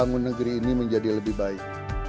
dan bangun negeri ini menjadi lebih baik